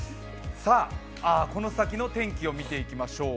この先の天気を見ていきましょう。